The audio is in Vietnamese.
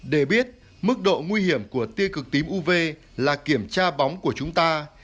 để biết mức độ nguy hiểm của tiêu cực tím uv là kiểm tra bóng của chúng ta